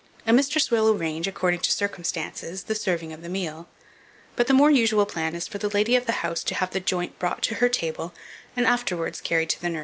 A mistress will arrange, according to circumstances, the serving of the meal; but the more usual plan is for the lady of the house to have the joint brought to her table, and afterwards carried to the nursery.